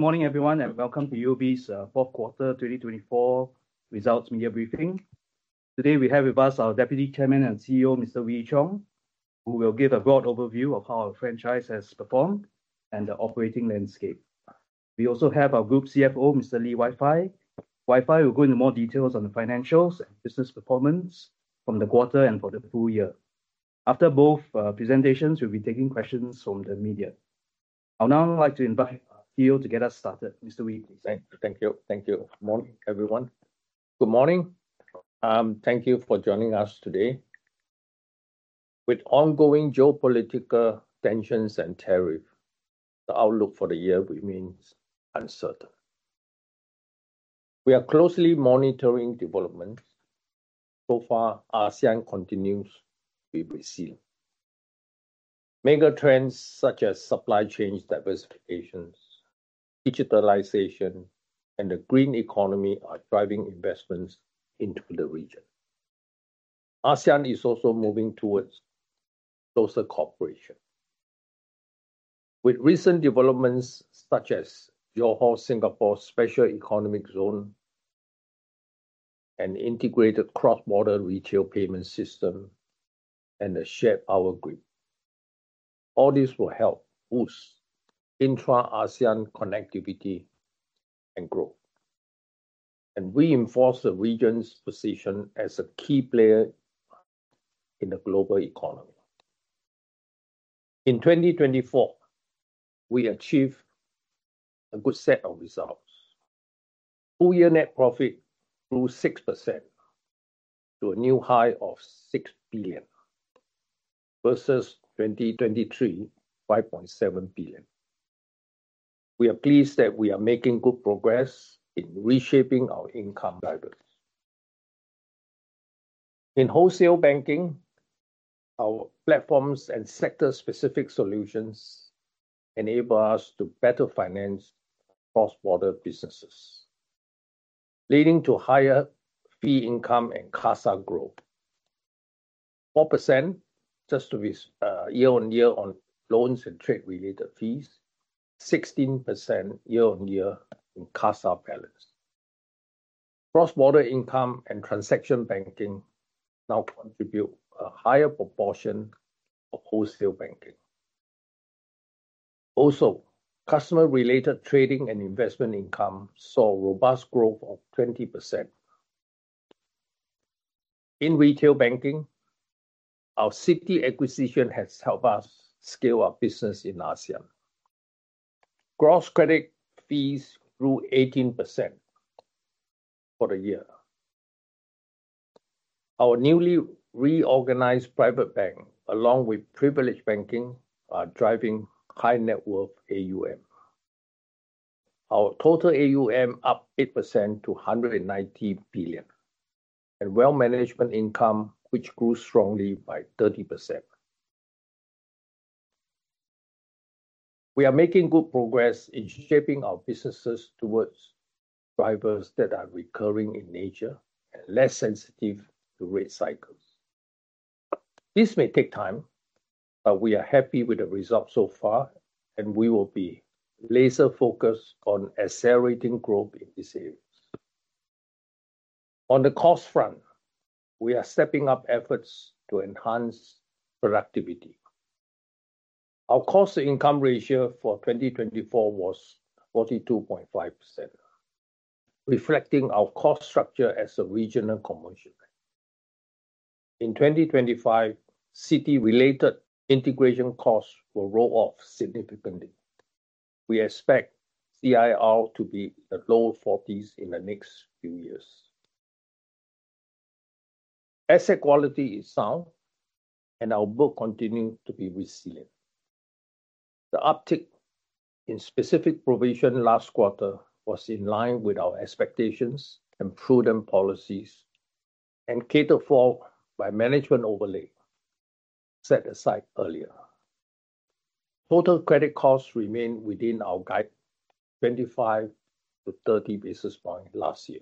Morning, everyone, and welcome to UOB's Fourth Quarter 2024 Results Media Briefing. Today, we have with us our Deputy Chairman and CEO, Mr. Wee Ee Cheong, who will give a broad overview of how our franchise has performed and the operating landscape. We also have our Group CFO, Mr. Lee Wai Fai. Wai Fai will go into more details on the financials and business performance from the quarter and for the full year. After both presentations, we'll be taking questions from the media. I would now like to invite our CEO to get us started. Mr. Wee, please. Thank you. Thank you. Morning, everyone. Good morning. Thank you for joining us today. With ongoing geopolitical tensions and tariffs, the outlook for the year remains uncertain. We are closely monitoring developments. So far, ASEAN continues to be resilient. Mega trends such as supply chain diversification, digitalization, and the green economy are driving investments into the region. ASEAN is also moving towards closer cooperation. With recent developments such as Johor-Singapore Special Economic Zone, an integrated cross-border retail payment system, and the SP Group, all this will help boost intra-ASEAN connectivity and growth, and reinforce the region's position as a key player in the global economy. In 2024, we achieved a good set of results. Full-year net profit grew 6% to a new high of 6 billion versus 2023, 5.7 billion. We are pleased that we are making good progress in reshaping our income drivers. In wholesale banking, our platforms and sector-specific solutions enable us to better finance cross-border businesses, leading to higher fee income and KASA growth: 4% just year-on-year on loans and trade-related fees, 16% year-on-year in KASA balance. Cross-border income and transaction banking now contribute a higher proportion of wholesale banking. Also, customer-related trading and investment income saw robust growth of 20%. In retail banking, our Citi acquisition has helped us scale our business in ASEAN. Gross credit fees grew 18% for the year. Our newly reorganized private bank, along with Privilege Banking, are driving high-net-worth AUM. Our total AUM is up 8% to 190 billion, and wealth management income, which grew strongly by 30%. We are making good progress in shaping our businesses towards drivers that are recurring in nature and less sensitive to rate cycles. This may take time, but we are happy with the results so far, and we will be laser-focused on accelerating growth in these areas. On the cost front, we are stepping up efforts to enhance productivity. Our cost-to-income ratio for 2024 was 42.5%, reflecting our cost structure as a regional convergence. In 2025, Citi-related integration costs will roll off significantly. We expect CIR to be in the low 40s in the next few years. Asset quality is sound, and our book continues to be resilient. The uptick in specific provision last quarter was in line with our expectations and prudent policies, and catered for by management overlay set aside earlier. Total credit costs remained within our guide, 25 to 30 basis points last year.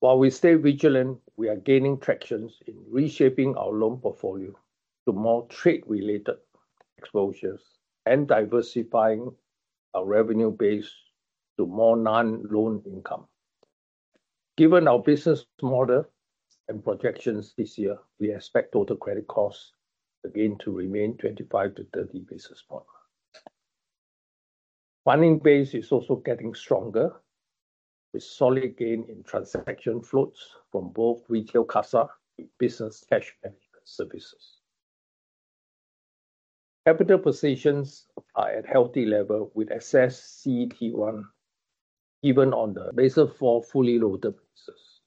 While we stay vigilant, we are gaining traction in reshaping our loan portfolio to more trade-related exposures and diversifying our revenue base to more non-loan income. Given our business model and projections this year, we expect total credit costs again to remain 25 to 30 basis points. Funding base is also getting stronger, with solid gain in transaction floats from both retail KASA and business cash management services. Capital positions are at a healthy level with excess CET1 given on the basis for fully loaded businesses.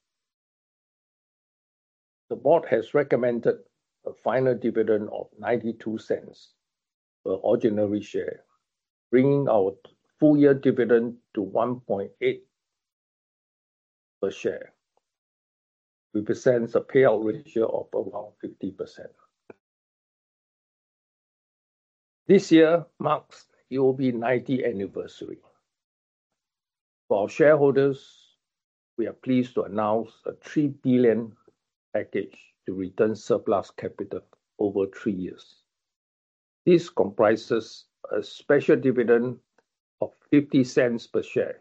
The board has recommended a final dividend of 0.92 per ordinary share, bringing our full-year dividend to 1.80 per share, which represents a payout ratio of around 50%. This year marks UOB's 90th anniversary. For our shareholders, we are pleased to announce a 3 billion package to return surplus capital over three years. This comprises a special dividend of 0.50 per share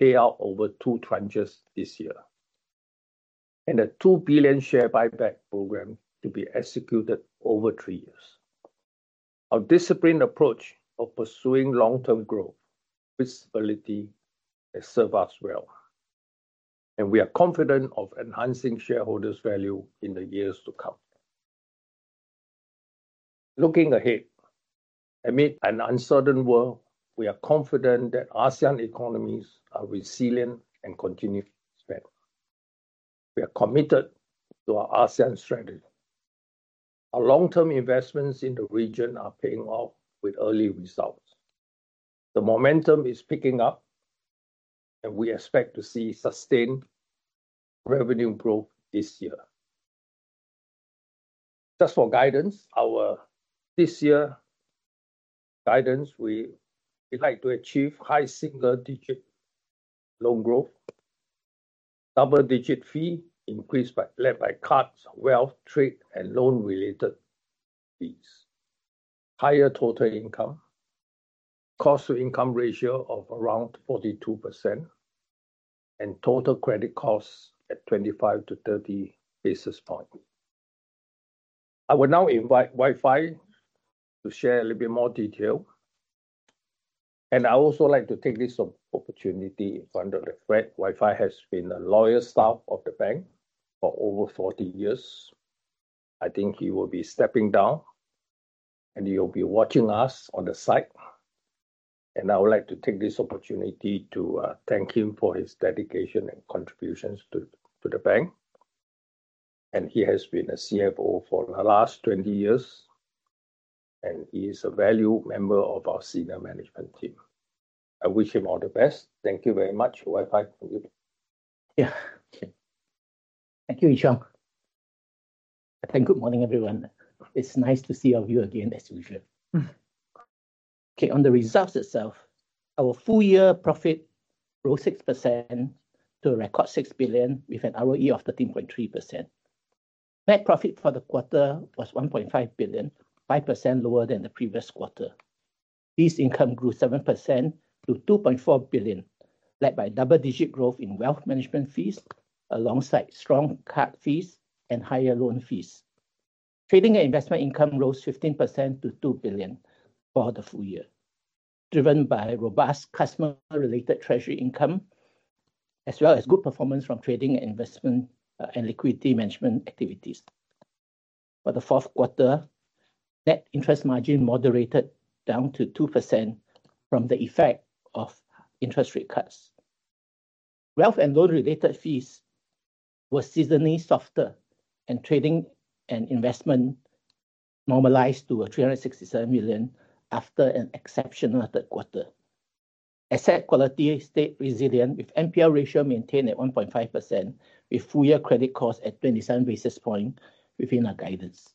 payout over two tranches this year, and a 2 billion share buyback program to be executed over three years. Our disciplined approach of pursuing long-term growth, flexibility, and serve us well, and we are confident of enhancing shareholders' value in the years to come. Looking ahead, amid an uncertain world, we are confident that ASEAN economies are resilient and continue to expand. We are committed to our ASEAN strategy. Our long-term investments in the region are paying off with early results. The momentum is picking up, and we expect to see sustained revenue growth this year. Just for guidance, we like to achieve high single-digit loan growth, double-digit fee increase led by cards, wealth, trade, and loan-related fees, higher total income, cost-to-income ratio of around 42%, and total credit costs at 25-30 basis points. I will now invite Wai Fai to share a little bit more detail, and I also like to take this opportunity, given the fact Wai Fai has been a loyal staff of the bank for over 40 years. I think he will be stepping down, and he will be watching us on the side, and I would like to take this opportunity to thank him for his dedication and contributions to the bank. And he has been a CFO for the last 20 years, and he is a valued member of our senior management team. I wish him all the best. Thank you very much, Wai Fai. Thank you, Wee Ee Cheong. Good morning, everyone. It's nice to see all of you again, as usual. Okay, on the results itself, our full-year profit rose 6% to a record 6 billion, with an ROE of 13.3%. Net profit for the quarter was 1.5 billion, 5% lower than the previous quarter. Fees income grew 7% to 2.4 billion, led by double-digit growth in wealth management fees alongside strong card fees and higher loan fees. Trading and investment income rose 15% to 2 billion for the full year, driven by robust customer-related treasury income, as well as good performance from trading and investment and liquidity management activities. For the fourth quarter, net interest margin moderated down to 2% from the effect of interest rate cuts. Wealth and loan-related fees were seasonally softer, and trading and investment normalized to 367 million after an exceptional third quarter. Asset quality stayed resilient, with NPL ratio maintained at 1.5%, with full-year credit costs at 27 basis points within our guidance.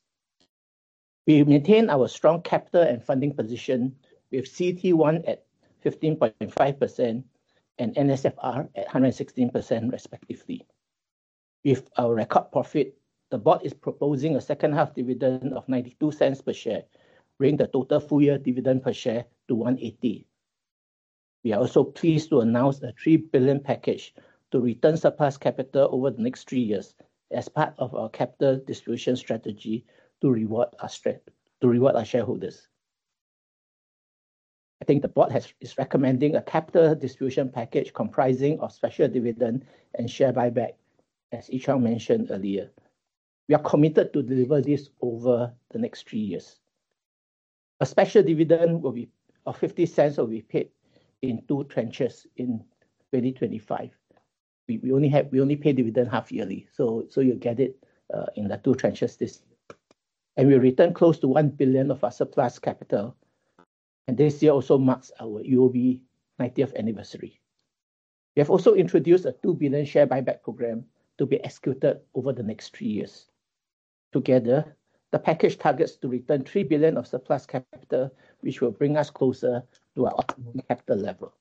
We maintain our strong capital and funding position, with CET1 at 15.5% and NSFR at 116%, respectively. With our record profit, the board is proposing a second-half dividend of 0.92 per share, bringing the total full-year dividend per share to 1.80. We are also pleased to announce a 3 billion package to return surplus capital over the next three years as part of our capital distribution strategy to reward our shareholders. I think the board is recommending a capital distribution package comprising of special dividend and share buyback, as Ee Cheong mentioned earlier. We are committed to deliver this over the next three years. A special dividend of 0.50 will be paid in two tranches in 2025. We only pay dividend half-yearly, so you'll get it in the two tranches this year. And we return close to 1 billion of our surplus capital, and this year also marks our UOB 90th anniversary. We have also introduced a 2 billion share buyback program to be executed over the next three years. Together, the package targets to return 3 billion of surplus capital, which will bring us closer to our optimum capital level.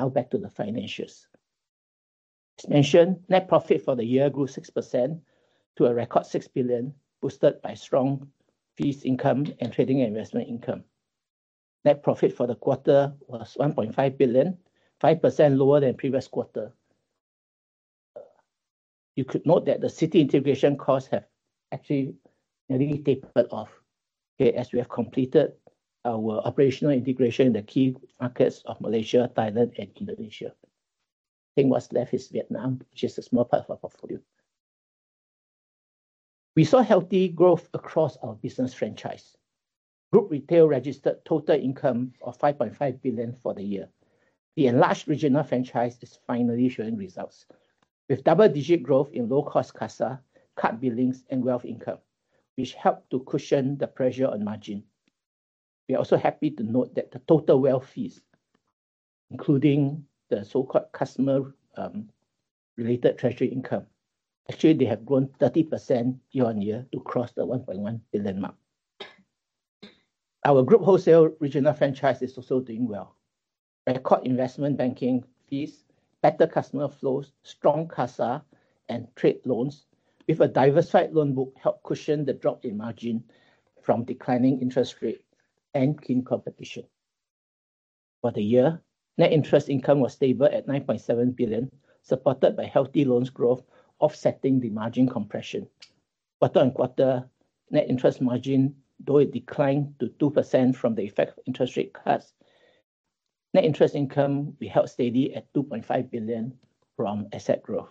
Now, back to the financials. As mentioned, net profit for the year grew 6% to a record 6 billion, boosted by strong fees income and trading and investment income. Net profit for the quarter was 1.5 billion, 5% lower than previous quarter. You could note that the Citi integration costs have actually nearly tapered off as we have completed our operational integration in the key markets of Malaysia, Thailand, and Indonesia. I think what's left is Vietnam, which is a small part of our portfolio. We saw healthy growth across our business franchise. Group retail registered total income of 5.5 billion for the year. The enlarged regional franchise is finally showing results, with double-digit growth in low-cost KASA, card billings, and wealth income, which helped to cushion the pressure on margin. We are also happy to note that the total wealth fees, including the so-called customer-related treasury income, actually have grown 30% year-on-year to cross the 1.1 billion mark. Our group wholesale regional franchise is also doing well. Record investment banking fees, better customer flows, strong KASA and trade loans with a diversified loan book helped cushion the drop in margin from declining interest rate and keen competition. For the year, net interest income was stable at 9.7 billion, supported by healthy loans growth offsetting the margin compression. Quarter on quarter, net interest margin, though it declined to 2% from the effect of interest rate cuts, net interest income we held steady at 2.5 billion from asset growth.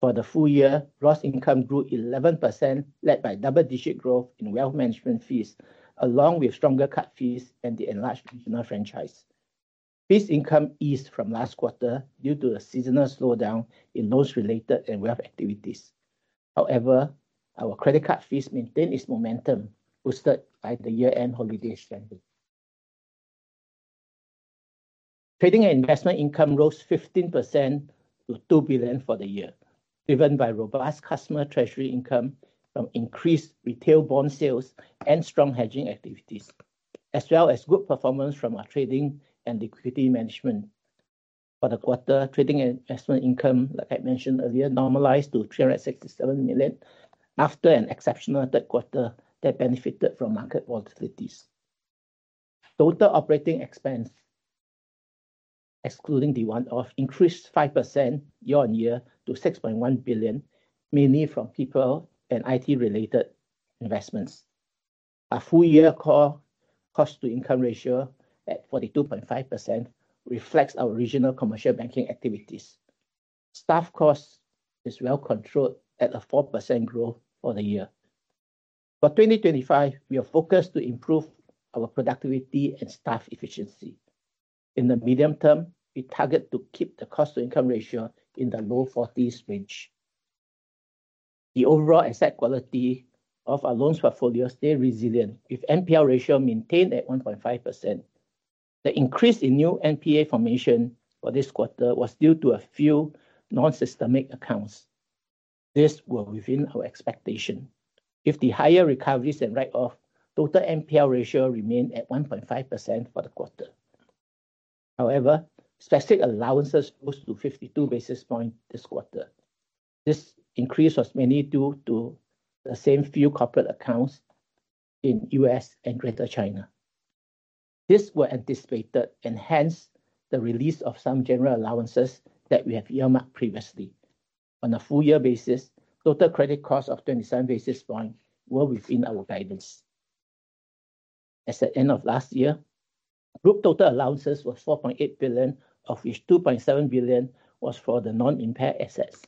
For the full year, gross income grew 11%, led by double-digit growth in wealth management fees, along with stronger card fees and the enlarged regional franchise. Fees income eased from last quarter due to the seasonal slowdown in loans-related and wealth activities. However, our credit card fees maintained its momentum, boosted by the year-end holiday spending. Trading and investment income rose 15% to 2 billion for the year, driven by robust customer treasury income from increased retail bond sales and strong hedging activities, as well as good performance from our trading and liquidity management. For the quarter, trading and investment income, like I mentioned earlier, normalized to 367 million after an exceptional third quarter that benefited from market volatilities. Total operating expense, excluding the one-off, increased 5% year-on-year to 6.1 billion, mainly from people and IT-related investments. Our full-year cost-to-income ratio at 42.5% reflects our regional commercial banking activities. Staff cost is well controlled at a 4% growth for the year. For 2025, we are focused to improve our productivity and staff efficiency. In the medium term, we target to keep the cost-to-income ratio in the low 40s range. The overall asset quality of our loans portfolio stayed resilient, with NPL ratio maintained at 1.5%. The increase in new NPA formation for this quarter was due to a few non-systemic accounts. This was within our expectation. With the higher recoveries and write-off, total NPL ratio remained at 1.5% for the quarter. However, specific allowances rose to 52 basis points this quarter. This increase was mainly due to the same few corporate accounts in the US and Greater China. This was anticipated and hence the release of some general allowances that we have earmarked previously. On a full-year basis, total credit cost of 27 basis points was within our guidance. At the end of last year, group total allowances were 4.8 billion, of which 2.7 billion was for the non-impaired assets.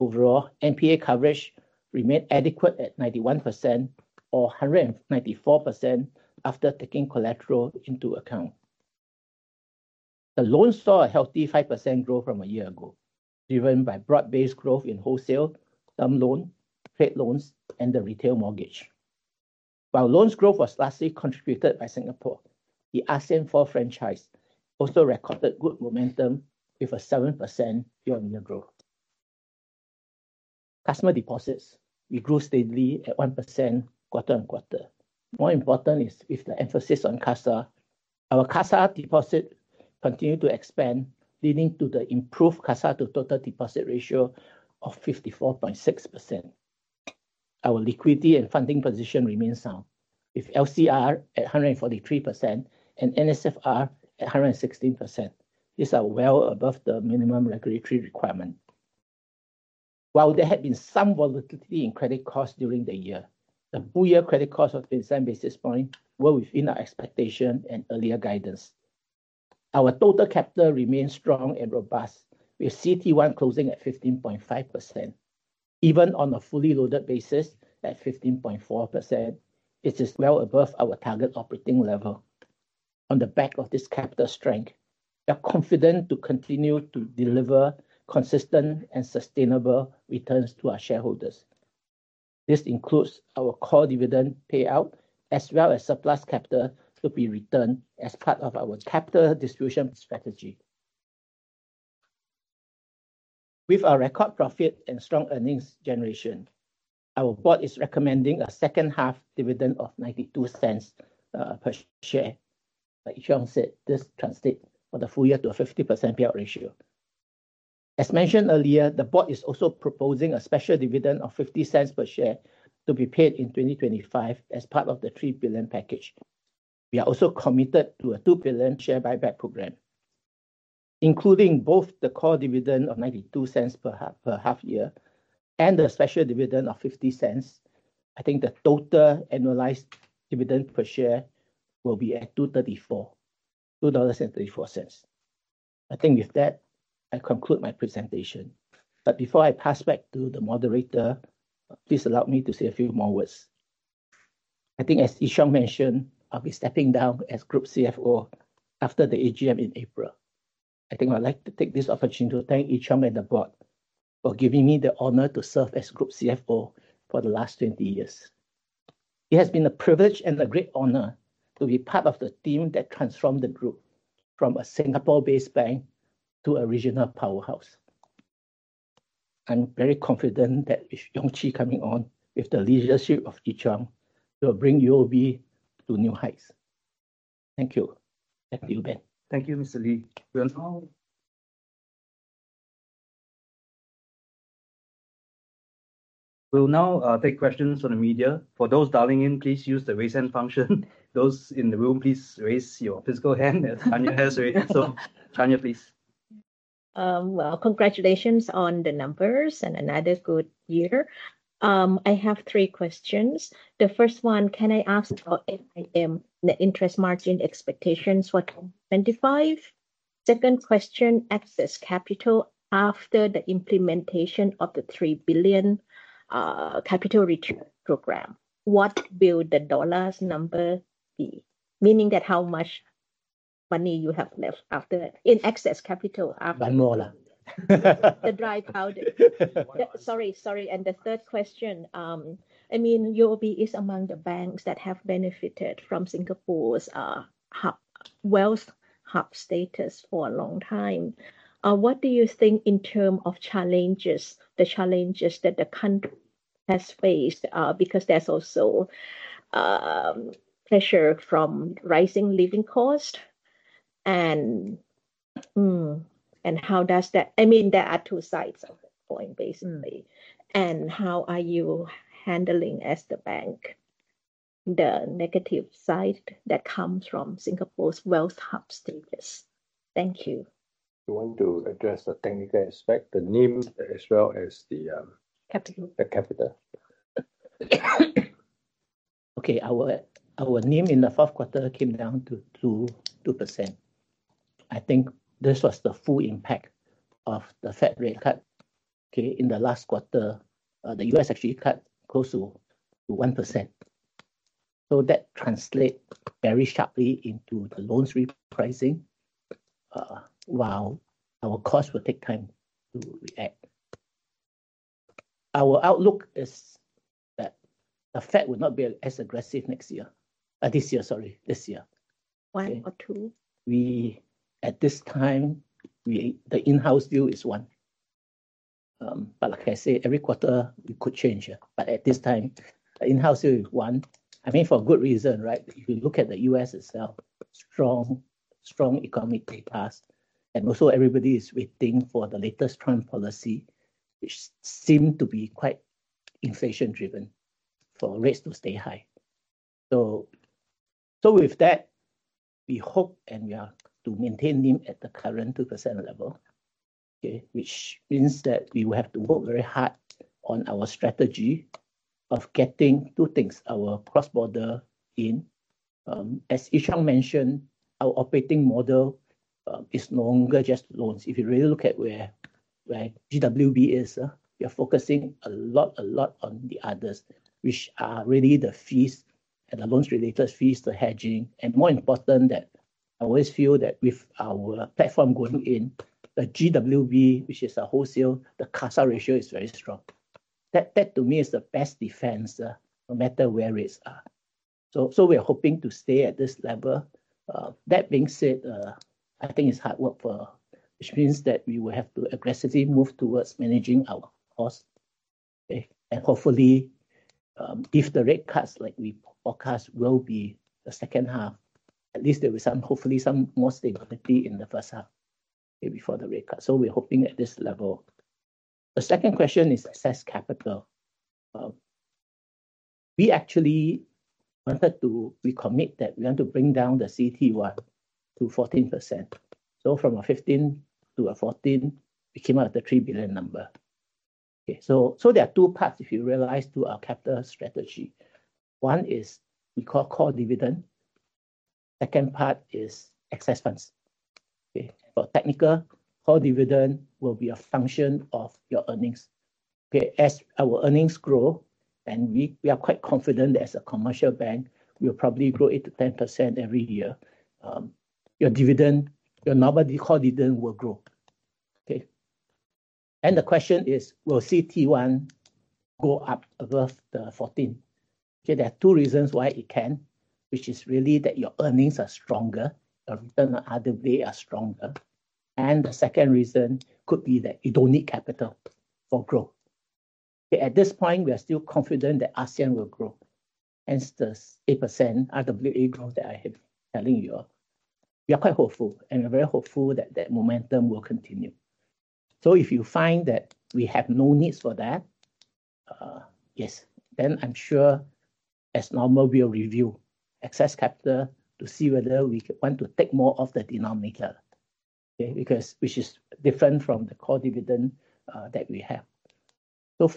Overall, NPA coverage remained adequate at 91% or 194% after taking collateral into account. The loans saw a healthy 5% growth from a year ago, driven by broad-based growth in wholesale, SME loan, trade loans, and the retail mortgage. While loans growth was largely contributed by Singapore, the ASEAN 4 franchise also recorded good momentum with a 7% year-on-year growth. Customer deposits grew steadily at 1% quarter on quarter. More important is with the emphasis on KASA, our KASA deposit continued to expand, leading to the improved KASA to total deposit ratio of 54.6%. Our liquidity and funding position remains sound, with LCR at 143% and NSFR at 116%. These are well above the minimum regulatory requirement. While there had been some volatility in credit costs during the year, the full-year credit cost of 27 basis points was within our expectation and earlier guidance. Our total capital remained strong and robust, with CET1 closing at 15.5%. Even on a fully loaded basis at 15.4%, it is well above our target operating level. On the back of this capital strength, we are confident to continue to deliver consistent and sustainable returns to our shareholders. This includes our core dividend payout, as well as surplus capital to be returned as part of our capital distribution strategy. With our record profit and strong earnings generation, our board is recommending a second-half dividend of 0.92 per share. Like Ee Cheong said, this translates for the full year to a 50% payout ratio. As mentioned earlier, the board is also proposing a special dividend of 0.50 per share to be paid in 2025 as part of the 3 billion package. We are also committed to a 2 billion share buyback program. Including both the core dividend of 0.92 per half-year and the special dividend of 0.50, I think the total annualized dividend per share will be at 2.34, 2.34. I think with that, I conclude my presentation, but before I pass back to the moderator, please allow me to say a few more words. I think, as Ee Cheong mentioned, I'll be stepping down as Group CFO after the AGM in April. I think I'd like to take this opportunity to thank Wee Ee Cheong and the board for giving me the honor to serve as Group CFO for the last 20 years. It has been a privilege and a great honor to be part of the team that transformed the group from a Singapore-based bank to a regional powerhouse. I'm very confident that with Wee Ee Cheong coming on, with the leadership of Wee Ee Cheong, we will bring UOB to new heights. Thank you. Thank you, Ben. Thank you, Mr. Lee. We'll now take questions from the media. For those dialing in, please use the raise hand function. Those in the room, please raise your physical hand. Tanya has raised. So, Tanya, please. Congratulations on the numbers and another good year. I have three questions. The first one, can I ask about NIM, net interest margin expectations for 2025? Second question, excess capital after the implementation of the 3 billion capital return program, what will the dollars number be? Meaning that how much money you have left after in excess capital. One more lah. The dry powder. Sorry, sorry, and the third question, I mean, UOB is among the banks that have benefited from Singapore's wealth hub status for a long time. What do you think in terms of challenges, the challenges that the country has faced? Because there's also pressure from rising living costs, and how does that, I mean, there are two sides of it going, basically, and how are you handling as the bank the negative side that comes from Singapore's wealth hub status? Thank you. I want to address the technical aspect, the NIM as well as the capital. Capital. Okay, our NIM in the fourth quarter came down to 2%. I think this was the full impact of the Fed rate cut. Okay, in the last quarter, the U.S. actually cut close to 1%. So that translates very sharply into the loans repricing, while our costs will take time to react. Our outlook is that the Fed will not be as aggressive next year. This year, sorry, this year. One or two? Well, at this time, the in-house view is one. But like I say, every quarter we could change here. But at this time, the in-house view is one. I mean, for a good reason, right? If you look at the U.S. itself, strong, strong economic data and also everybody is waiting for the latest Trump policy, which seemed to be quite inflation-driven for rates to stay high. So with that, we hope and we are to maintain NIM at the current 2% level, which means that we will have to work very hard on our strategy of getting two things, our cross-border in. As Ee Cheong mentioned, our operating model is no longer just loans. If you really look at where GWB is, we are focusing a lot, a lot on the others, which are really the fees and the loans-related fees, the hedging. More important that I always feel that with our platform going in, the GWB, which is a wholesale, the KASA ratio is very strong. That to me is the best defense no matter where rates are. We are hoping to stay at this level. That being said, I think it's hard work for, which means that we will have to aggressively move towards managing our costs. Hopefully, if the rate cuts like we forecast will be the second half, at least there will be some, hopefully some more stability in the first half before the rate cut. We're hoping at this level. The second question is excess capital. We actually wanted to, we commit that we want to bring down the CET1 to 14%. From 15% to 14%, we came out at the 3 billion number. Okay, so there are two parts, if you realize, to our capital strategy. One is we call core dividend. Second part is excess funds. For technical, core dividend will be a function of your earnings. As our earnings grow, and we are quite confident as a commercial bank, we will probably grow 8%-10% every year. Your dividend, your normal core dividend will grow. And the question is, will CET1 go up above the 14? There are two reasons why it can, which is really that your earnings are stronger, your return on RWA are stronger. And the second reason could be that you don't need capital for growth. At this point, we are still confident that ASEAN will grow. Hence the 8% RWA growth that I have been telling you. We are quite hopeful and we're very hopeful that that momentum will continue. So if you find that we have no needs for that, yes, then I'm sure as normal we'll review excess capital to see whether we want to take more of the denominator, which is different from the core dividend that we have.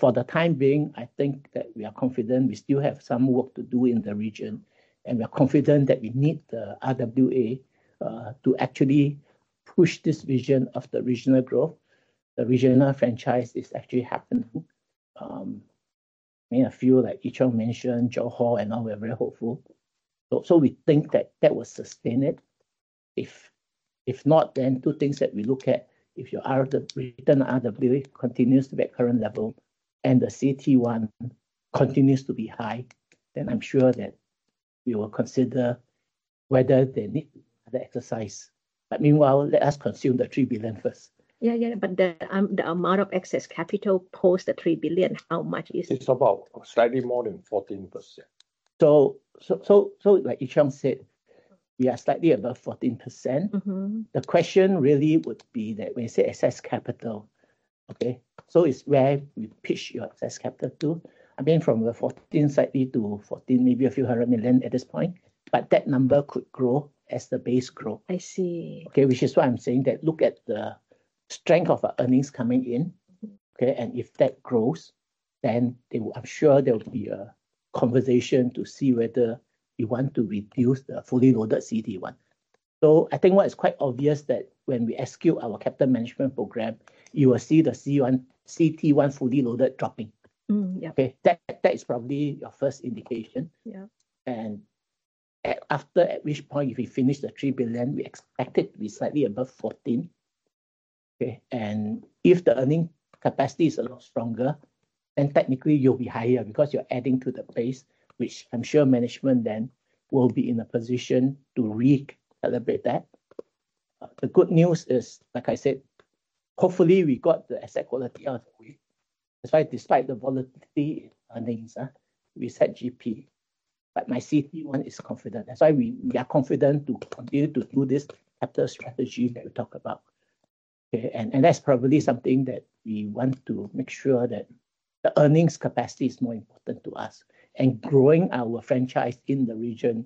For the time being, I think that we are confident we still have some work to do in the region. We are confident that we need the RWA to actually push this vision of the regional growth. The regional franchise is actually happening. I mean, I feel like Wee Ee Cheong mentioned, Johor and all, we're very hopeful. We think that that will sustain it. If not, then two things that we look at. If your return on RWA continues to be at current level and the CET1 continues to be high, then I'm sure that we will consider whether they need to exercise. But meanwhile, let us consume the 3 billion first. Yeah, yeah, but the amount of excess capital post the 3 billion, how much is it? It's about slightly more than 14%. So. So, like Ee Cheong said, we are slightly above 14%. The question really would be that when you say excess capital, okay, so it's where we pitch your excess capital to. I mean, from the 14 slightly to 14, maybe a few hundred million at this point. But that number could grow as the base grow. I see. Okay, which is why I'm saying that look at the strength of our earnings coming in. And if that grows, then I'm sure there will be a conversation to see whether we want to reduce the fully loaded CET1. So I think what is quite obvious that when we execute our capital management program, you will see the CET1 fully loaded dropping. Yeah. Okay, that is probably your first indication. And after at which point, if we finish the 3 billion, we expect it to be slightly above 14. And if the earning capacity is a lot stronger, then technically you'll be higher because you're adding to the base, which I'm sure management then will be in a position to recalibrate that. The good news is, like I said, hopefully we got the asset quality out of the way. That's why despite the volatility in earnings, we said GP. But my CET1 is confident. That's why we are confident to continue to do this capital strategy that we talk about. And that's probably something that we want to make sure that the earnings capacity is more important to us. And growing our franchise in the region,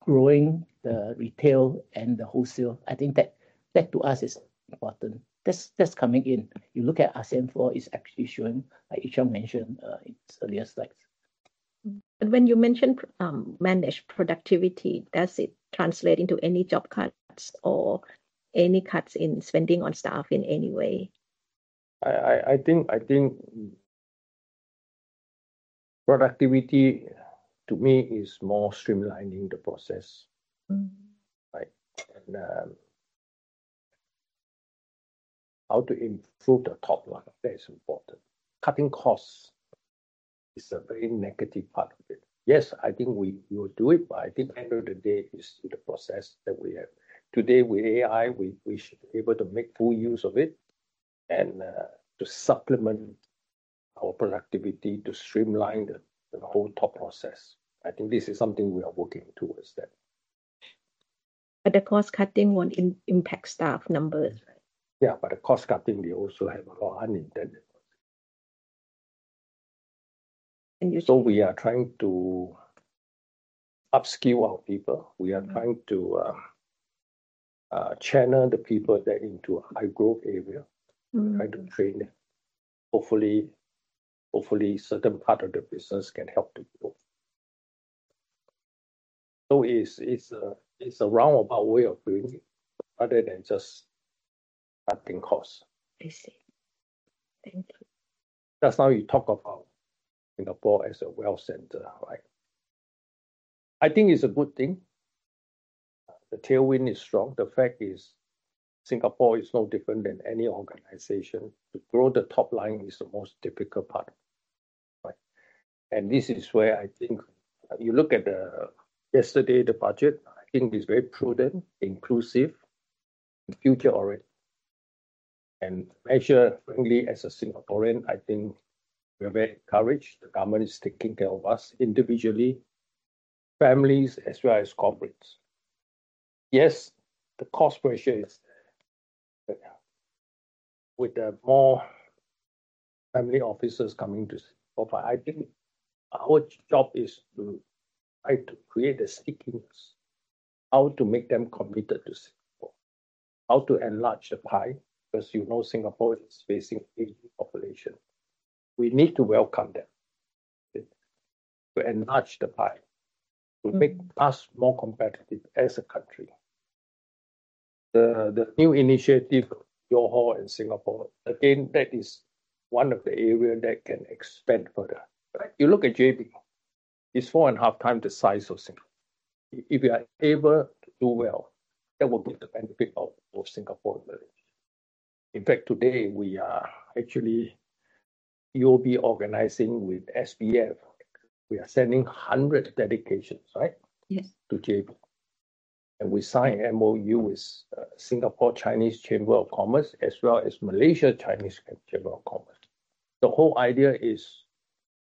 growing the retail and the wholesale, I think that to us is important. That's coming in. You look at ASEAN 4, it's actually showing, like Wee Ee Cheong mentioned in his earlier slides. But when you mentioned managed productivity, does it translate into any job cuts or any cuts in spending on staff in any way? I think productivity to me is more streamlining the process. And how to improve the top line, that is important. Cutting costs is a very negative part of it. Yes, I think we will do it, but I think at the end of the day, it's in the process that we have. Today with AI, we should be able to make full use of it and to supplement our productivity to streamline the whole top process. I think this is something we are working towards that. But the cost cutting won't impact staff numbers, right? Yeah, but the cost cutting, we also have a lot of unintended costs. You should. So we are trying to upskill our people. We are trying to channel the people into a high-growth area, trying to train them. Hopefully, certain parts of the business can help to grow. So it's a roundabout way of doing it rather than just cutting costs. I see. Thank you. That's how you talk about Singapore as a wealth center, right? I think it's a good thing. The tailwind is strong. The fact is Singapore is no different than any organization. To grow the top line is the most difficult part, and this is where I think you look at yesterday, the budget. I think it's very prudent, inclusive, and future-oriented. And as a Singaporean, I think we are very encouraged. The government is taking care of us individually, families as well as corporates. Yes, the cost pressure is there. With the more family offices coming to Singapore, I think our job is to try to create a stickiness, how to make them committed to Singapore, how to enlarge the pie, because you know Singapore is facing an aging population. We need to welcome them. To enlarge the pie, to make us more competitive as a country. The new initiative of Johor and Singapore, again, that is one of the areas that can expand further. You look at JB, it's four and a half times the size of Singapore. If you are able to do well, that will be the benefit of Singapore's spillover. In fact, today we are actually UOB organizing with SBF. We are sending 100 delegations, right? Yes. To JB. And we signed an MOU with Singapore Chinese Chamber of Commerce as well as Malaysia Chinese Chamber of Commerce. The whole idea is,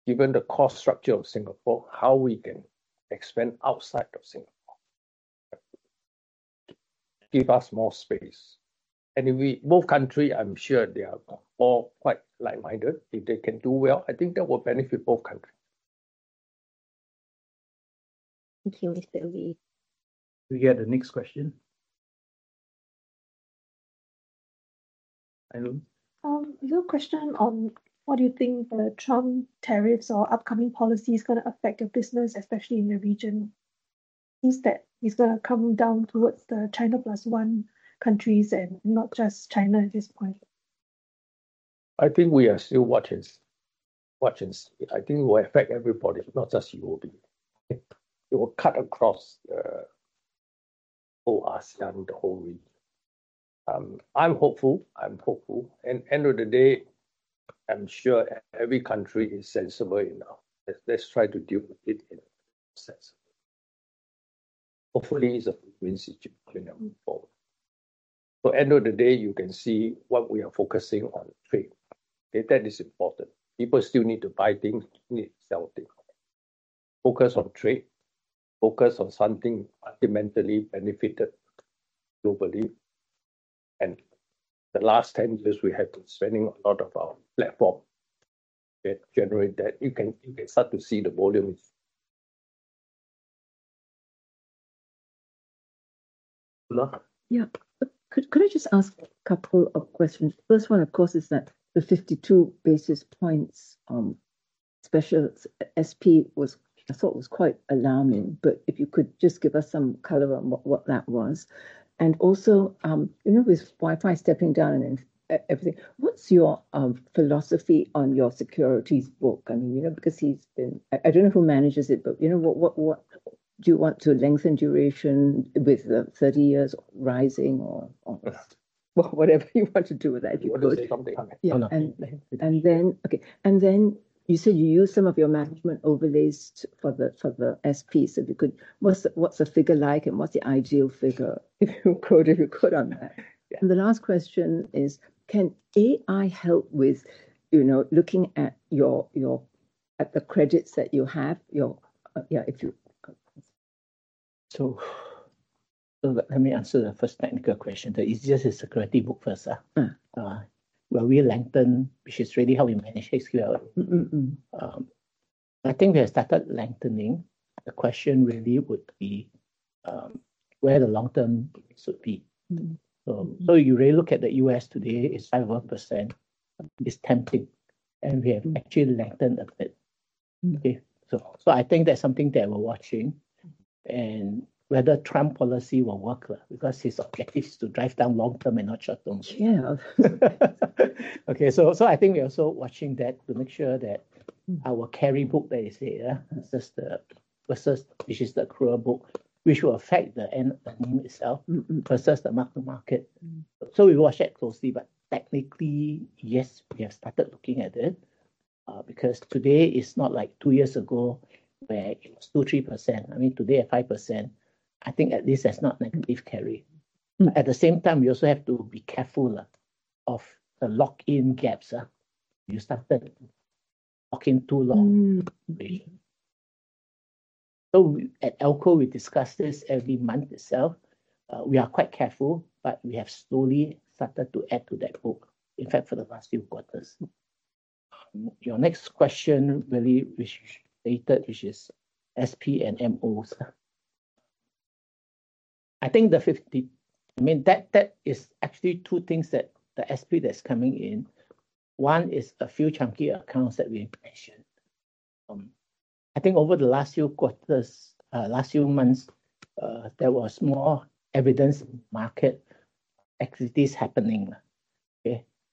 given the cost structure of Singapore, how we can expand outside of Singapore. Give us more space. And both countries, I'm sure they are all quite like-minded. If they can do well, I think that will benefit both countries. Thank you, Mr. Lee. We have the next question. Your question on what do you think the Trump tariffs or upcoming policy is going to affect your business, especially in the region? Is that it's going to come down towards the China plus one countries and not just China at this point? I think we are still watching. I think it will affect everybody, not just UOB. It will cut across the whole ASEAN, the whole region. I'm hopeful. And at the end of the day, I'm sure every country is sensible enough. Let's try to deal with it in a sensible way. Hopefully, it's a win-win situation going forward. So at the end of the day, you can see what we are focusing on: trade. That is important. People still need to buy things, need to sell things. Focus on trade. Focus on something fundamentally benefited globally. And the last 10 years, we have been spending a lot of our platform to generate that. You can start to see the volume. Yeah. Could I just ask a couple of questions? First one, of course, is that the 52 basis points special SP was, I thought it was quite alarming. But if you could just give us some color on what that was. And also, you know, with Wai Fai stepping down and everything, what's your philosophy on your securities book? I mean, you know, because he's been, I don't know who manages it, but you know, what do you want to lengthen duration with the 30 years rising or whatever you want to do with that? You want to do something. And then, okay. And then you said you use some of your management overlays for the SP. So what's the figure like and what's the ideal figure? If you could, if you could on that. And the last question is, can AI help with, you know, looking at the credits that you have, your, yeah, if you. So let me answer the first technical question. The easiest is the securities book first. Will we lengthen, which is really how we manage HQLA? I think we have started lengthening. The question really would be where the long-term should be. So you really look at the US today, it's 5%. It's tempting. And we have actually lengthened a bit. So I think that's something that we're watching. And whether Trump policy will work because his objective is to drive down long-term and not short-term. Yeah. Okay. So I think we're also watching that to make sure that our carry book that is here, versus, which is the accrual book, which will affect the end of the year itself, versus the mark-to-market. So we watch that closely. But technically, yes, we have started looking at it. Because today it's not like two years ago where it was 2-3%. I mean, today at 5%, I think at least that's not negative carry. At the same time, we also have to be careful of the lock-in gaps. You started locking too long. So at ALCO, we discuss this every month itself. We are quite careful, but we have slowly started to add to that book. In fact, for the last few quarters. Your next question really related, which is SP and MOs. I think the 50, I mean, that is actually two things that the SP that's coming in. One is a few chunky accounts that we mentioned. I think over the last few quarters, last few months, there was more evident market activities happening.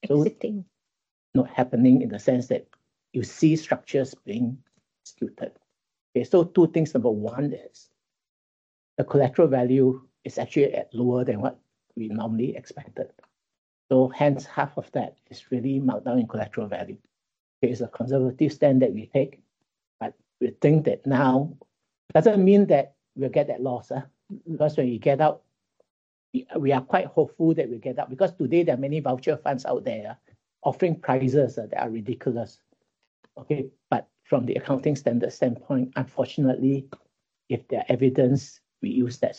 Exciting. Not happening in the sense that you see structures being executed. So two things. Number one is the collateral value is actually lower than what we normally expected. So hence, half of that is really meltdown in collateral value. It's a conservative stance that we take. But we think that now doesn't mean that we'll get that loss. Because when you get out, we are quite hopeful that we get out. Because today there are many vulture funds out there offering prices that are ridiculous. Okay. But from the accounting standards standpoint, unfortunately, if there are evidence, we use that.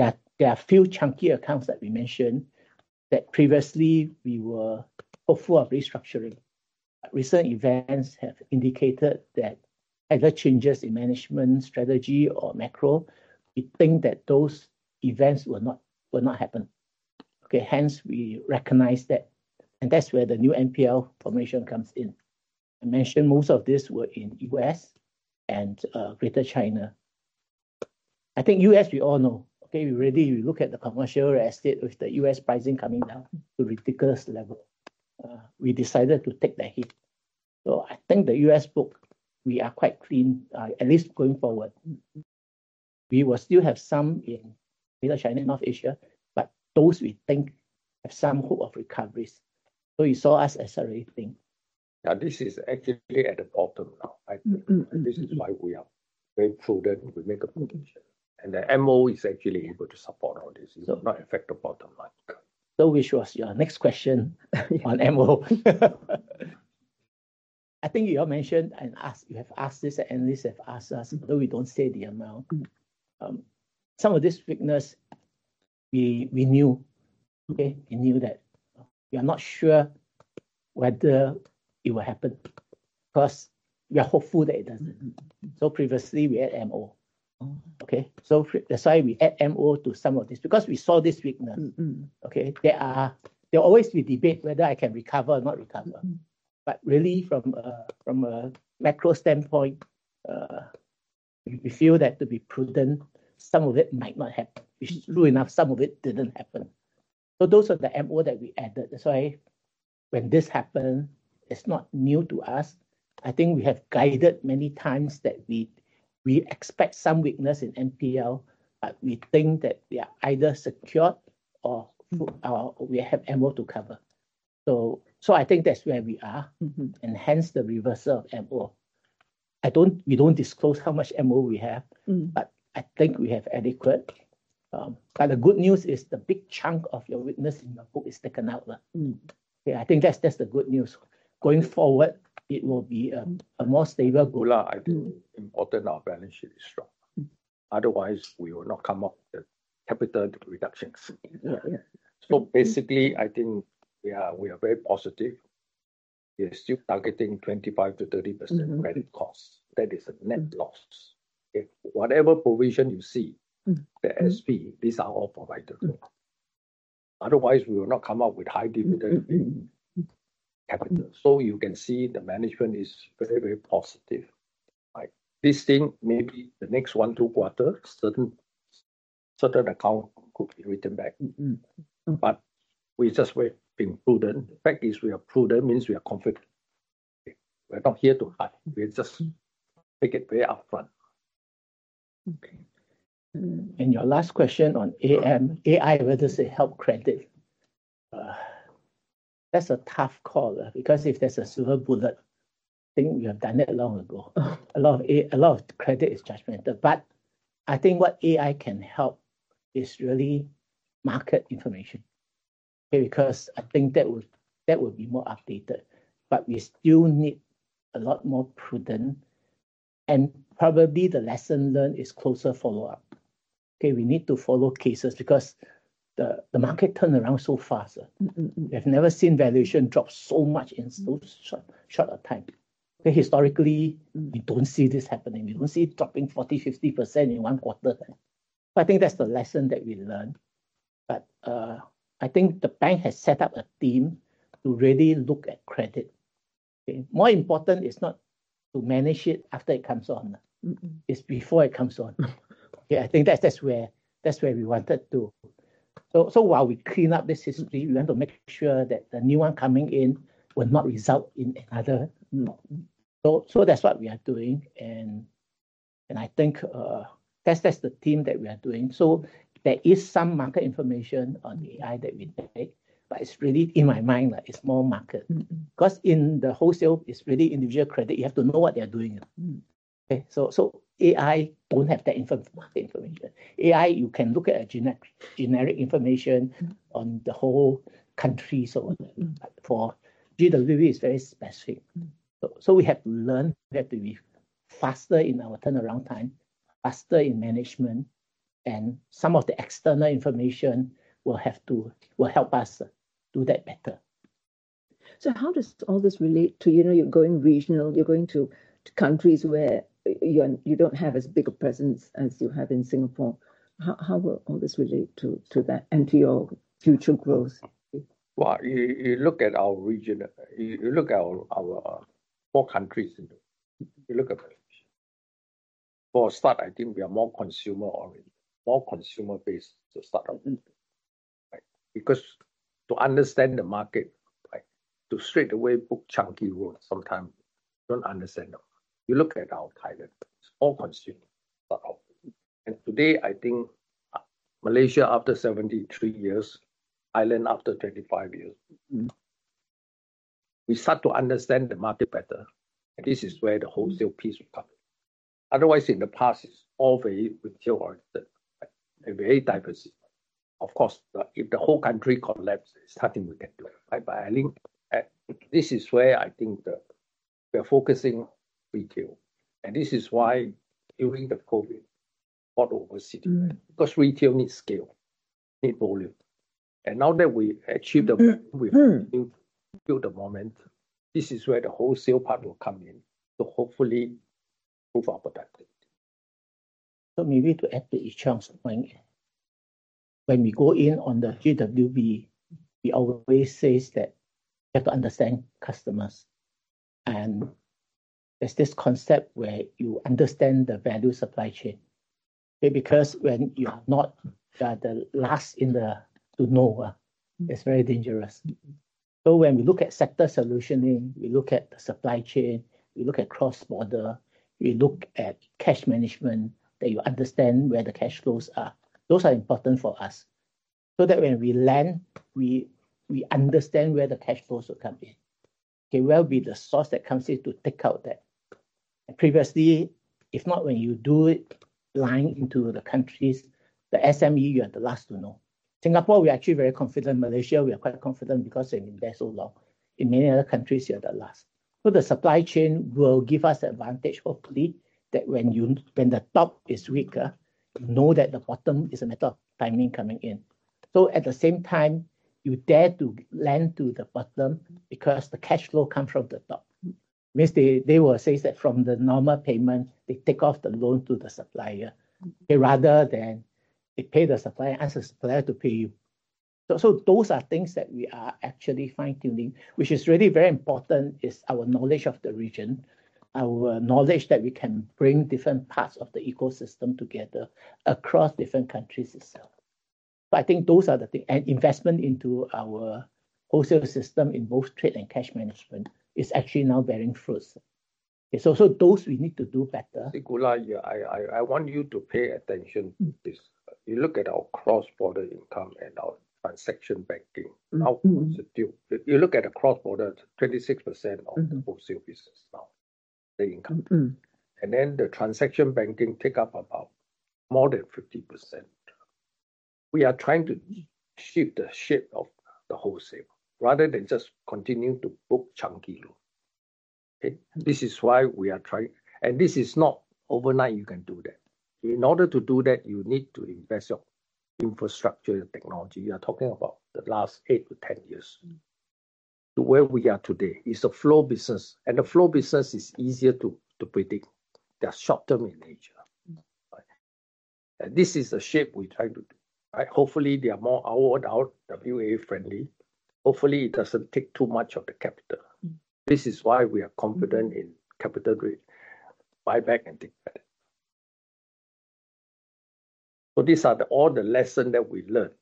So there are a few chunky accounts that we mentioned that previously we were hopeful of restructuring. But recent events have indicated that other changes in management strategy or macro, we think that those events will not happen. Okay. Hence, we recognize that. That's where the new MPL formation comes in. I mentioned most of this were in US and Greater China. I think US, we all know. Okay. We really look at the commercial real estate with the US pricing coming down to ridiculous level. We decided to take that hit. So I think the US book, we are quite clean, at least going forward. We will still have some in Greater China, North Asia, but those we think have some hope of recoveries. So you saw us accelerating. Yeah. This is actually at the bottom now. This is why we are very prudent. We make a position. The MO is actually able to support all this. It will not affect the bottom line. So which was your next question on MO? I think you have mentioned and asked, you have asked this and at least have asked us, although we don't say the amount. Some of this weakness, we knew. Okay. We knew that we are not sure whether it will happen because we are hopeful that it doesn't. So previously we had MO. Okay. So that's why we add MO to some of this. Because we saw this weakness. Okay. There are always we debate whether I can recover or not recover. But really from a macro standpoint, we feel that to be prudent, some of it might not happen. Which is true enough, some of it didn't happen. So those are the MO that we added. That's why when this happens, it's not new to us. I think we have guided many times that we expect some weakness in MPL, but we think that we are either secured or we have MO to cover. So I think that's where we are. Hence the reversal of MO. We don't disclose how much MO we have, but I think we have adequate. But the good news is the big chunk of your weakness in your book is taken out. I think that's the good news. Going forward, it will be a more stable. So I think importantly our balance sheet is strong. Otherwise, we will not come up with the capital reductions. So basically, I think we are very positive. We are still targeting 25%-30% credit costs. That is a net loss. Whatever provision you see, the SP, these are all provisions. Otherwise, we will not come up with high dividend capital. So you can see the management is very, very positive. This thing maybe the next one, two quarters, certain account could be written back. But we just wait being prudent. The fact is we are prudent means we are confident. We're not here to hide. We just take it way upfront. Okay, and your last question on AI, whether it helps credit. That's a tough call. Because if there's a silver bullet, I think we have done that long ago. A lot of credit is judgmental. But I think what AI can help is really market information. Because I think that would be more updated. But we still need a lot more prudence. And probably the lesson learned is closer follow-up. Okay. We need to follow cases because the market turned around so fast. We have never seen valuation drop so much in so short a time. Historically, we don't see this happening. We don't see dropping 40%-50% in one quarter. I think that's the lesson that we learned. But I think the bank has set up a team to really look at credit. More important is not to manage it after it comes on. It's before it comes on. I think that's where we wanted to, so while we clean up this history, we want to make sure that the new one coming in will not result in another. So that's what we are doing, and I think that's the team that we are doing. There is some market information on AI that we take, but it's really in my mind it's more market because in the wholesale it's really individual credit. You have to know what they're doing, so AI don't have that market information. AI, you can look at generic information on the whole country, so GWB is very specific, so we have to learn. We have to be faster in our turnaround time, faster in management, and some of the external information will help us do that better. How does all this relate to, you know, you're going regional, you're going to countries where you don't have as big a presence as you have in Singapore? How will all this relate to that and to your future growth? Well, you look at our region, you look at our four countries. You look at the region. For a start, I think we are more consumer-oriented, more consumer-based to start off. Because to understand the market, to straightaway book chunky loans, sometimes don't understand them. You look at our Thailand. It's all consumer. And today, I think Malaysia after 73 years, Thailand after 25 years. We start to understand the market better. This is where the wholesale piece will come. Otherwise, in the past, it's all very retail-oriented, very diversified. Of course, if the whole country collapses, it's nothing we can do. But I think this is where I think we're focusing retail. And this is why during the COVID, built overseas. Because retail needs scale, needs volume. And now that we achieved the momentum, we have built a momentum. This is where the wholesale part will come in. So hopefully, move upward. So maybe to add to each other's point, when we go in on the GWB, we always say that we have to understand customers. And there's this concept where you understand the value supply chain. Because when you are not the last to know, it's very dangerous. When we look at sector solutioning, we look at the supply chain, we look at cross-border, we look at cash management, that you understand where the cash flows are. Those are important for us, so that when we land, we understand where the cash flows will come in. Okay. Where will the source be that comes in to take out that? Previously, if not when you do it, flying into the countries, the SME, you are the last to know. Singapore, we're actually very confident. Malaysia, we are quite confident because we've been there so long. In many other countries, you're the last. So the supply chain will give us advantage, hopefully, that when the top is weaker, you know that the bottom is a matter of timing coming in. So at the same time, you dare to land to the bottom because the cash flow comes from the top. Means they will say that from the normal payment, they take off the loan to the supplier. Rather than they pay the supplier, ask the supplier to pay you. So those are things that we are actually fine-tuning, which is really very important, is our knowledge of the region, our knowledge that we can bring different parts of the ecosystem together across different countries itself. So I think those are the things. And investment into our wholesale system in both trade and cash management is actually now bearing fruits. So those we need to do better. I want you to pay attention to this. You look at our cross-border income and our transaction banking. You look at the cross-border, 26% of the wholesale business now, the income, and then the transaction banking take up about more than 50%. We are trying to shift the shape of the wholesale rather than just continue to book chunky loan. This is why we are trying, and this is not overnight you can do that. In order to do that, you need to invest your infrastructure and technology. You are talking about the last eight to 10 years. To where we are today, it's a flow business, and the flow business is easier to predict. They are short-term in nature. This is the shape we're trying to do. Hopefully, they are more RWA friendly. Hopefully, it doesn't take too much of the capital. This is why we are confident in capital buyback and take back. So these are all the lessons that we learned.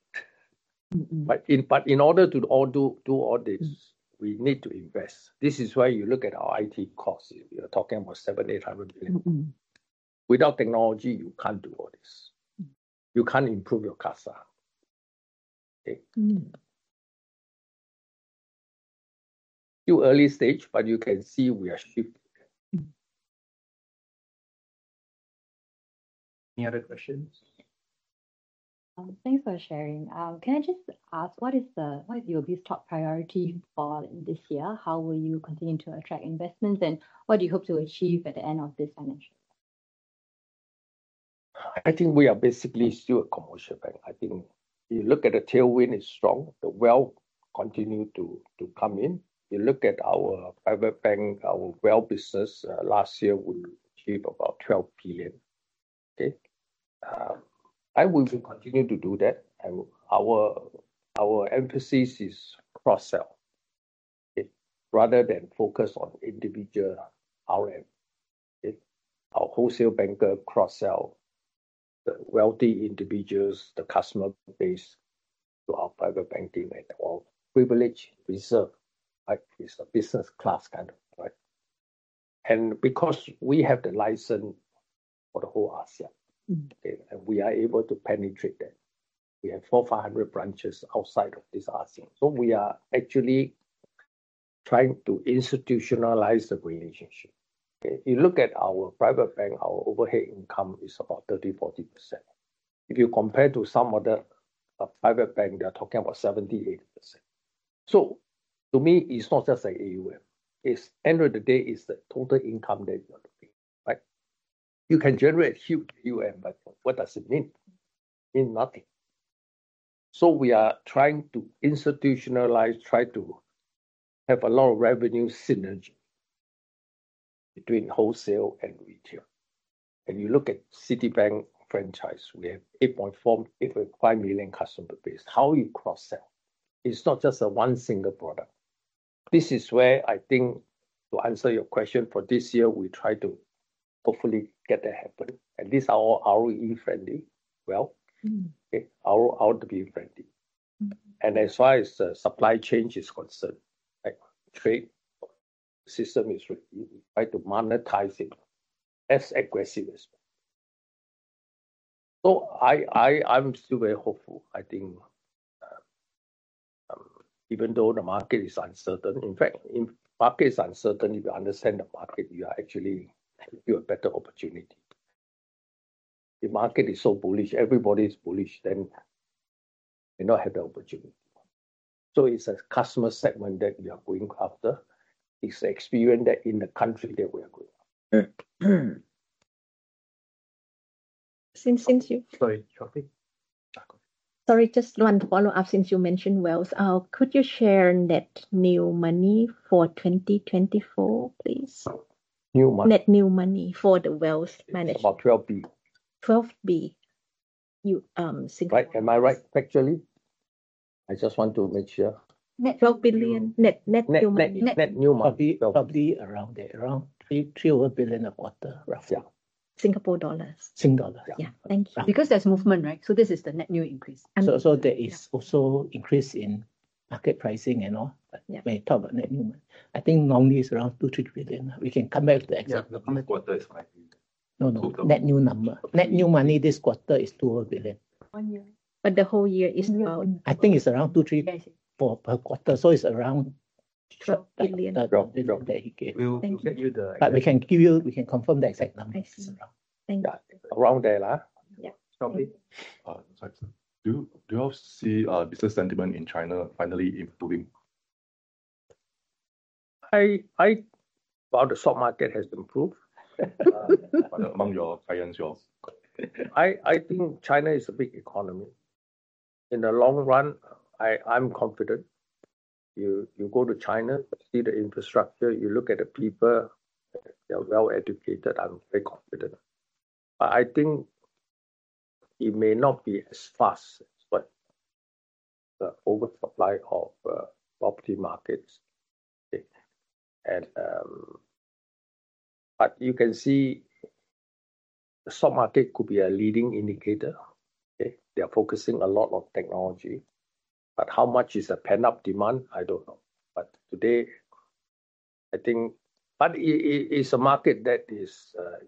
But in order to do all this, we need to invest. This is why you look at our IT costs. We are talking about 7,800 million. Without technology, you can't do all this. You can't improve your KASA. Still early stage, but you can see we are shifting. Any other questions? Thanks for sharing. Can I just ask, what is your biggest top priority for this year? How will you continue to attract investments, and what do you hope to achieve at the end of this financial year? I think we are basically still a commercial bank. I think you look at the tailwind is strong. The wealth continue to come in. You look at our private bank, our wealth business, last year we achieved about 12 billion. I will continue to do that. Our emphasis is cross-sell. Rather than focus on individual RM. Our wholesale banker cross-sell the wealthy individuals, the customer base to our private banking and our Privilege Banking. It's a business class kind of. And because we have the license for the whole ASEAN, and we are able to penetrate that. We have 4,500 branches outside of this ASEAN. So we are actually trying to institutionalize the relationship. You look at our private bank, our overhead income is about 30%-40%. If you compare to some other private bank, they're talking about 78%. So to me, it's not just an AUM. It's the end of the day, it's the total income that you're looking. You can generate huge AUM, but what does it mean? It means nothing. So we are trying to institutionalize, try to have a lot of revenue synergy between wholesale and retail. And you look at Citibank franchise, we have 8.5 million customer base. How you cross-sell? It's not just a one single product. This is where I think to answer your question for this year, we try to hopefully get that happen. And these are all ROE friendly, well, ROE friendly. And as far as supply chain is concerned, trade system is really trying to monetize it as aggressively. So I'm still very hopeful. I think even though the market is uncertain, in fact, if market is uncertain, if you understand the market, you are actually a better opportunity. If the market is so bullish, everybody is bullish, then you don't have the opportunity. So it's a customer segment that we are going after. We've experienced that in the country that we are going after. Sorry, Choi. Sorry, just one follow-up since you mentioned wealth. Could you share net new money for 2024, please? New money? Net New Money for the Wealth Management. About 12B. 12B. Am I right, actually? I just want to make sure. Net 12 billion net new money. Net new money, around there, around 3 billion-4 billion of wealth, roughly. Singapore dollars. Sing dollars. Yeah. Thank you. Because there's movement, right? So this is the net new increase. So there is also increase in market pricing and all. But may talk about net new money. I think normally it's around 2-3 billion. We can come back to the exact. The coming quarter is 5 billion. No, no. Net new money this quarter is 2 or 3 billion. One year, but the whole year is about. I think it's around two, three per quarter. So it's around. 12 billion. That he gave. But we can give you, we can confirm the exact number. Thank you. Around there. Yeah. Do you all see business sentiment in China finally improving? I thought the stock market has improved. Among your clients. I think China is a big economy. In the long run, I'm confident. You go to China, see the infrastructure, you look at the people, they're well educated. I'm very confident. But I think it may not be as fast as the oversupply of property markets. But you can see the stock market could be a leading indicator. They are focusing a lot on technology. But how much is the pent-up demand? I don't know. But today, I think. But it's a market that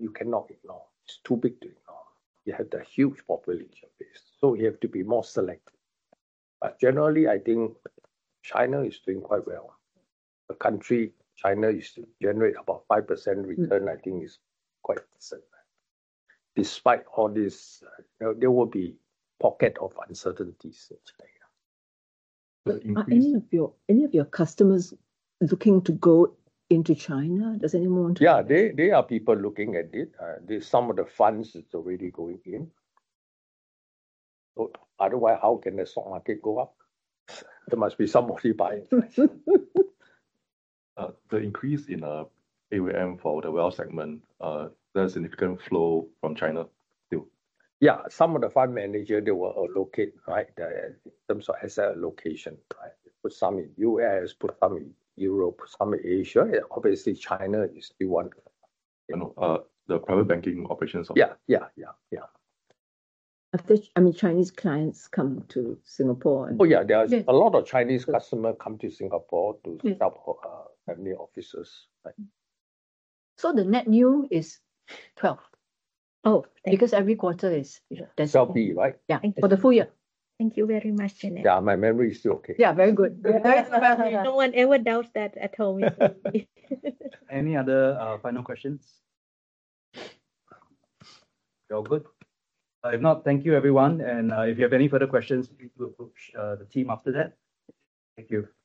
you cannot ignore. It's too big to ignore. You have the huge population base. So you have to be more selective. But generally, I think China is doing quite well. The country, China is to generate about 5% return, I think is quite decent. Despite all this, there will be a pocket of uncertainties in China. Are any of your customers looking to go into China? Does anyone want to? Yeah, there are people looking at it. Some of the funds are already going in. Otherwise, how can the stock market go up? There must be some of you buying. The increase in AUM for the wealth segment. There's significant flow from China still. Yeah, some of the fund managers, they will allocate, right? In terms of asset allocation, right? Put some in U.S., put some in Europe, put some in Asia. Obviously, China is the one. The private banking operations? Yeah, yeah, yeah, yeah. I mean, Chinese clients come to Singapore and. Oh, yeah. There are a lot of Chinese customers come to Singapore to set up family offices. So the net new is 12. Oh, because every quarter is. 12B, right? Yeah, for the full year. Thank you very much, Janet. Yeah, my memory is still okay. Yeah, very good. No one ever doubts that at home. Any other final questions? We're all good? If not, thank you, everyone, and if you have any further questions, please push the team after that. Thank you.